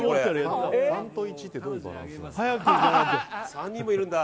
３人もいるんだ。